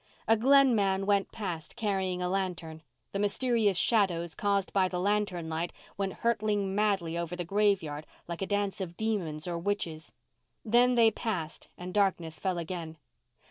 A Glen man went past carrying a lantern. The mysterious shadows caused by the lantern light went hurtling madly over the graveyard like a dance of demons or witches. Then they passed and darkness fell again.